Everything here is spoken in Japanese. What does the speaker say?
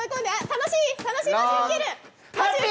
楽しい！